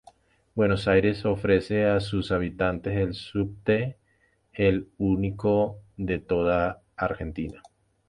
Buenos Aires ofrece a sus habitantes el subte, el único de toda Argentina.